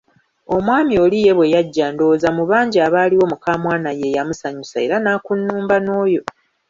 Omwami oli ye bwe yajja ndowooza mu bangi abaaliwo mukamwana yeyamusanyusa era nakunnumba n‘oyo.